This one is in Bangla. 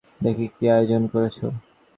দেখি, কী আয়োজন করেছ।